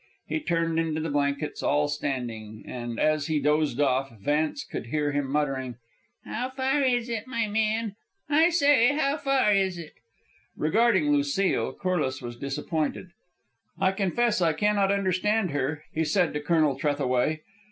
He turned into the blankets all standing, and as he dozed off Vance could hear him muttering, "How far is it, my man? I say, how far is it?" Regarding Lucile, Corliss was disappointed. "I confess I cannot understand her," he said to Colonel Trethaway.